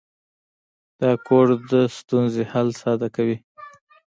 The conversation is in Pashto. دا کوډ د ستونزې حل ساده کوي.